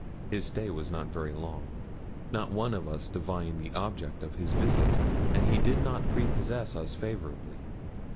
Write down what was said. His stay was not very long; not one of us divined the object of his visit, and he did not prepossess us favourably.